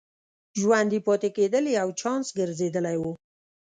ژوندي پاتې کېدل یو چانس ګرځېدلی و.